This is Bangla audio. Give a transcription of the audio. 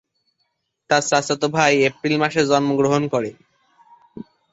তার চাচাতো ভাই এপ্রিল মাসে জন্মগ্রহণ করে।